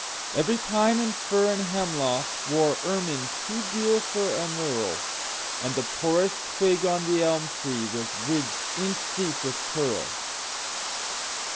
Every pine and fir and hemlockWore ermine too dear for an earl, And the poorest twig on the elm treeWas ridged inch deep with pearl.